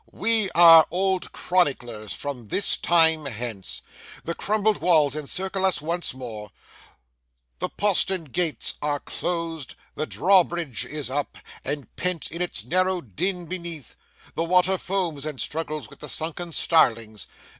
We are old chroniclers from this time hence. The crumbled walls encircle us once more, the postern gates are closed, the drawbridge is up, and pent in its narrow den beneath, the water foams and struggles with the sunken starlings.